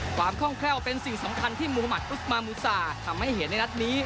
ความคล่องแคล่วเป็นสิ่งสำคัญที่มุมัติอุกมามูซาทำให้เห็นในนัดนี้